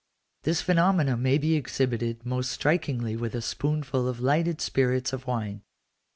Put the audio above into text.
This phenomenon may be exhibited most strikingly with a spoonful of lighted spirits of wine.